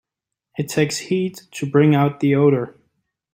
It takes heat to bring out the odor.